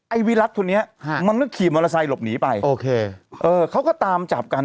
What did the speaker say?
วิรัติคนนี้ฮะมันก็ขี่มอเตอร์ไซค์หลบหนีไปโอเคเออเขาก็ตามจับกัน